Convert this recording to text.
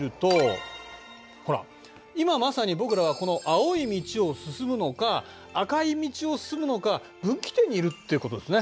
ほら今まさに僕らはこの青い道を進むのか赤い道を進むのか分岐点にいるってことですね。